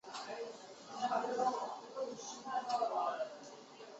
中国球员姚明是仅有的两位在选秀之前没有经历过任何美国篮球体系训练的状元。